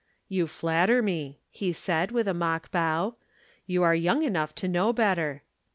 "You flatter me," he said with a mock bow; "you are young enough to know better."